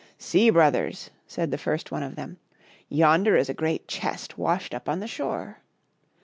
"See, brothers," said the first one of them, " yonder is a great chest washed up on the shore."